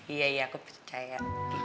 iya iya aku percaya